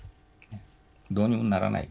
どうにもならない。